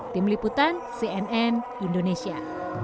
tim liputan cnn indonesia